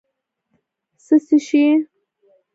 څه څښې؟